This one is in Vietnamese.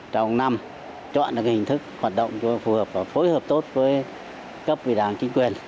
trong năm chọn hình thức hoạt động cho phù hợp và phối hợp tốt với cấp vị đảng chính quyền